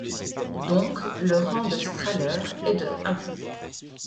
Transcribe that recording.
Donc le rang de Strahler est de un.